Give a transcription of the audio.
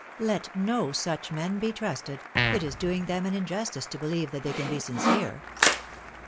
" Let no such men be trusted ;" it is doing them injustice to beheve that they can bo sincere.